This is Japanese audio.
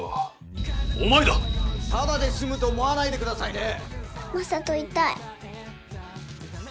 ただで済むと思わないで下さいね。